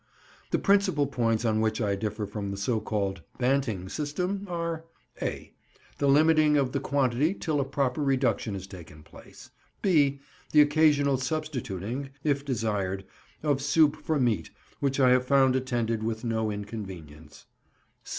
The principal points on which I differ from the so called "Banting" system are:— (a) The limiting of the quantity till a proper reduction has taken place. (b) The occasional substituting (if desired) of soup for meat, which I have found attended with no inconvenience.